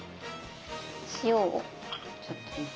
塩をちょっとね。